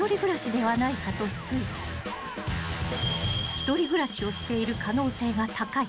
［一人暮らしをしている可能性が高い］